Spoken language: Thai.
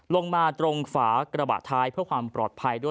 ลงมาตรงฝากระบะท้ายเพื่อความปลอดภัยด้วย